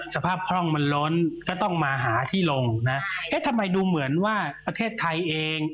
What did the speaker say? คล่องมันล้นก็ต้องมาหาที่ลงนะเอ๊ะทำไมดูเหมือนว่าประเทศไทยเอง